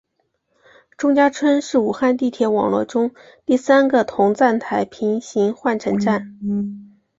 钟家村是武汉地铁网络中第三个同站台平行换乘站。